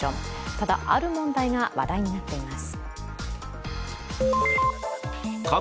ただある問題が話題になっています。